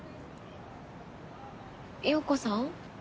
洋子さん？